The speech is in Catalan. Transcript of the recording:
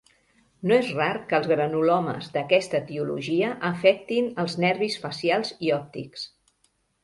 No és rar que els granulomes d'aquesta etiologia afectin els nervis facials i òptics.